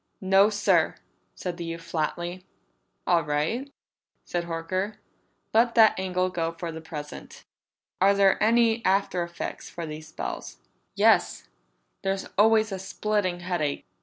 "No, sir," said the youth flatly. "All right," said Horker. "Let that angle go for the present. Are there any after effects from these spells?" "Yes. There's always a splitting headache."